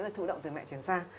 với thủ động từ mẹ truyền sang